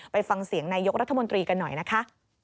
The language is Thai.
ไปฟังเสียงนายกรัฐมนตรีกันหน่อยนะคะ